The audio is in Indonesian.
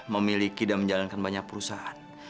memiliki dan menjalankan banyak perusahaan